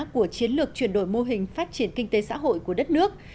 của chiến lược chuyển đổi mô hình phát triển kinh tế xã hội của đất nước